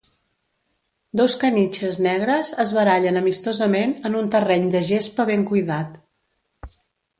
Dos caniches negres es barallen amistosament en un terreny de gespa ben cuidat.